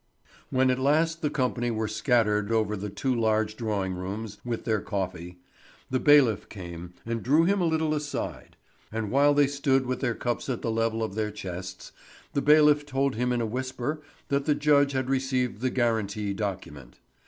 When at last the company were scattered over the two large drawing rooms with their coffee, the bailiff came and drew him a little aside; and while they stood with their cups at the level of their chests the bailiff told him in a whisper that the judge had received the guarantee document.